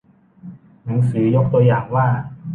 หนังสือยกตัวอย่างว่า